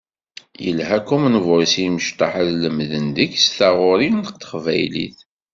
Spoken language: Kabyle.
Yelha Common Voice i imecṭaḥ ad lemden deg-s taɣuri n teqbaylit.